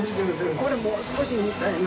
これもう少し煮たいな。